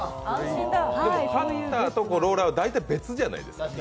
カッターとローラーは大体別じゃないですか。